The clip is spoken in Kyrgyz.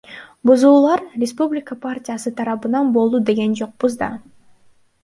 Бузуулар Республика партиясы тарабынан болду деген жокпуз да.